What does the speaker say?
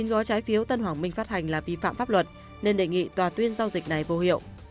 chín gói trái phiếu tân hoàng minh phát hành là vi phạm pháp luật nên đề nghị tòa tuyên giao dịch này vô hiệu